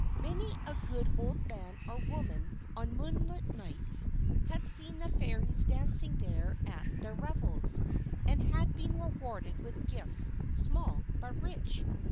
Many a good old man or woman, on moonlit nights, had seen the Fairies dancing there at their revels, and had been rewarded with gifts small but rich.